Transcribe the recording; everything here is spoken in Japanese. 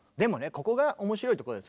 ここが面白いとこでさ